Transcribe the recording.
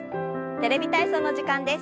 「テレビ体操」の時間です。